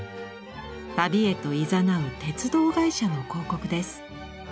旅へといざなう鉄道会社の広告です。